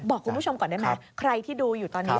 บอกคุณผู้ชมก่อนได้ไหมใครที่ดูอยู่ตอนนี้